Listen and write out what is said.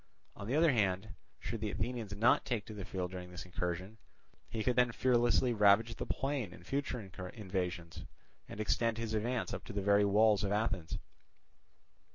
On the other hand, should the Athenians not take the field during this incursion, he could then fearlessly ravage the plain in future invasions, and extend his advance up to the very walls of Athens.